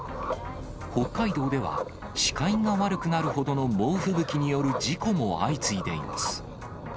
北海道では、視界が悪くなるほどの猛吹雪による事故も相次いでいます。